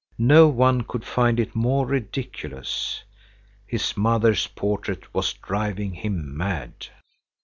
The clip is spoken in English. No one could find it more ridiculous. His mother's portrait was driving him mad.